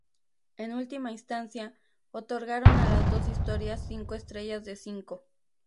En última instancia, otorgaron a las dos historias cinco estrellas de cinco.